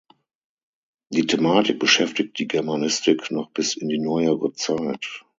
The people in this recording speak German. Die Thematik beschäftigt die Germanistik noch bis in die neuere Zeit.